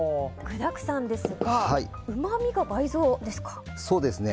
具だくさんですがうまみが倍増ですか？